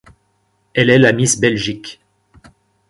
Elle est la Miss Belgique.